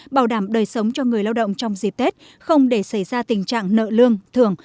bảo đảm đời sống cho người lao động trong dịp tết không để xảy ra tình trạng nợ lương thường